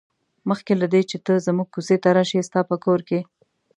مخکې له دې چې ته زموږ کوڅې ته راشې ستا په کور کې.